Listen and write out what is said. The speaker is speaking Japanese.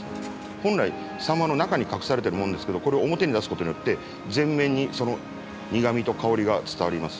本来サンマの中に隠されているものですけどこれを表に出すことによって前面にその苦みと香りが伝わります。